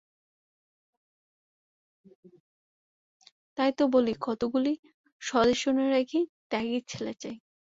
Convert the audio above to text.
তাই তো বলি কতকগুলি স্বদেশানুরাগী ত্যাগী ছেলে চাই।